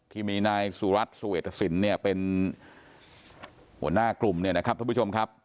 ที่มีนายสุรัตน์สุเวทสินเนี่ยเป็นหัวหน้ากลุ่มเนี่ยนะครับท่านผู้ชมครับ